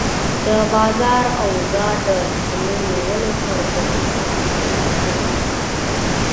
د بازار اوضاع د تصمیم نیولو پر پروسه اغېز کوي.